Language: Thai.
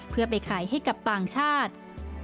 เพื่อไปขายให้กับต่างชาติ